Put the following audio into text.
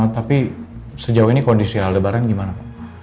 tapi sejauh ini kondisi lebaran gimana pak